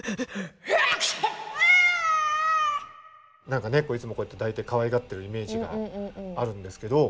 何か猫いつもこうやって抱いてかわいがってるイメージがあるんですけど。